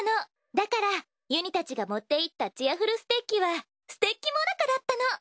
だからゆにたちが持っていったチアふるステッキはステッキもなかだったの。